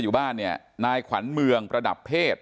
อยู่บ้านเนี่ยนายขวัญเมืองประดับเพศ